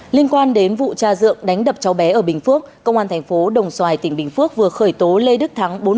linh quan đến vụ tra dượng đánh đập cháu bé ở bình phước công an tp đồng xoài tỉnh bình phước vừa khởi tố lê đức thắng